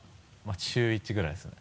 週１ぐらいですね。